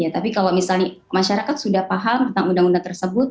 tapi kalau misalnya masyarakat sudah paham tentang undang undang tersebut